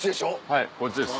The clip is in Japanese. はいこっちです。